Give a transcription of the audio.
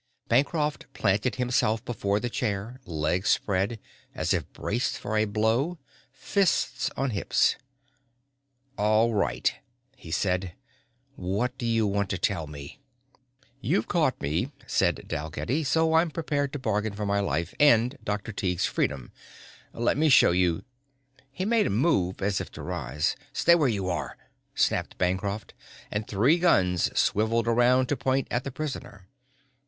Bancroft planted himself before the chair, legs spread wide as if braced for a blow, fists on hips. "All right," he said. "What do you want to tell me?" "You've caught me," said Dalgetty, "so I'm prepared to bargain for my life and Dr. Tighe's freedom. Let me show you " He made a move as if to rise. "Stay where you are!" snapped Bancroft, and three guns swiveled around to point at the prisoner.